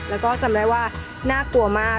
แล้วก็จำได้ว่าน่ากลัวมาก